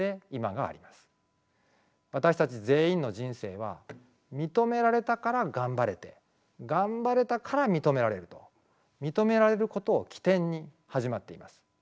私たち全員の人生は「認められたからがんばれてがんばれたから認められる」と認められることを起点に始まっています。